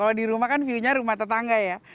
kalau di rumah kan view nya rumah tetangga ya